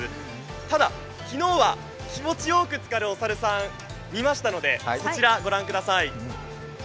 ただ昨日は気持ちよくつかるお猿さんいましたのでそちらご覧ください。